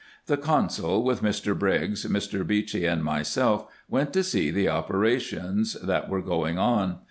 The consul, with Mr. Briggs, Mr. Beechey, and myself, went to see the operations that were going on.